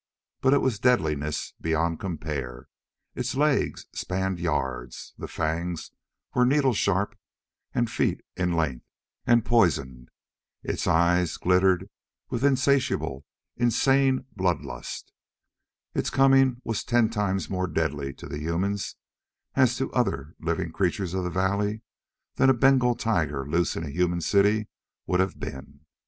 But it was deadliness beyond compare. Its legs spanned yards. The fangs were needle sharp and feet in length and poisoned. Its eyes glittered with insatiable, insane blood lust. Its coming was ten times more deadly to the humans as to the other living creatures of the valley than a Bengal tiger loosed in a human city would have been.